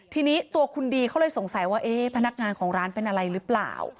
ทีนี้ตัวคุณดีเขาเลยสงสัยว่าเอ๊ะพนักงานของร้านเป็นอะไรหรือเปล่า